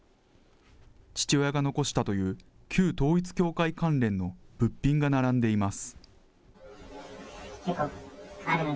父親が残したという、旧統一教会関連の物品が並んでいます。